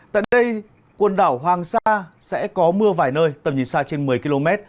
tại đây quần đảo hoàng sa sẽ có mưa vài nơi tầm nhìn xa trên một mươi km